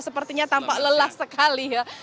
sepertinya tampak lelah sekali ya